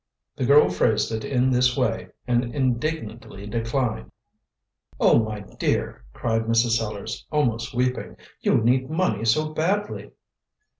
The girl phrased it in this way, and indignantly declined. "Oh, my dear," cried Mrs. Sellars, almost weeping; "you need money so badly."